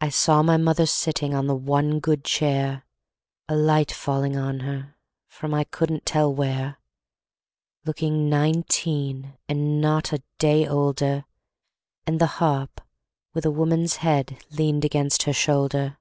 I saw my mother sitting On the one good chair, A light falling on her From I couldn't tell where, Looking nineteen, And not a day older, And the harp with a woman's head Leaned against her shoulder.